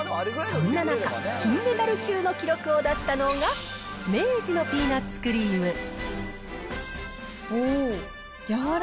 そんな中、金メダル級の記録を出したのが、明治のピーナッツクリーム。